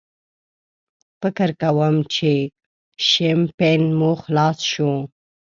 فکر کوم چې شیمپین مو خلاص شول.